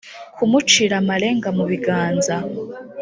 kumucira amarenga mu biganza